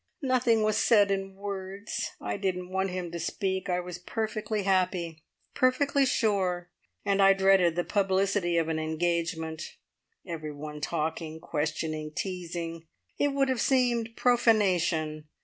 "Nothing was said in words. I didn't want him to speak. I was perfectly happy, perfectly sure, and I dreaded the publicity of an engagement. Every one talking, questioning, teasing. It would have seemed profanation.